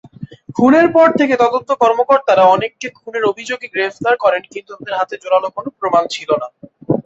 খুনের পর থেকে তদন্ত কর্মকর্তারা অনেককে খুনের অভিযোগে গ্রেফতার করেন কিন্তু তাদের হাতে জোড়ালো কোন প্রমাণ ছিলনা।